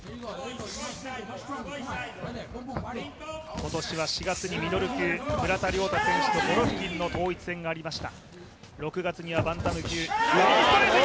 今年は４月にミドル級、村田諒太選手とゴロフキンの統一戦がありました。